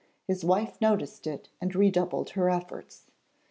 His wife noticed it, and redoubled her efforts.